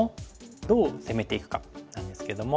どう攻めていくかなんですけども。